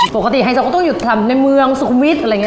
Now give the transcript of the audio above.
ปกติไฮโซก็ต้องอยู่ในเมืองสุขุมวิทย์อะไรเงี้ย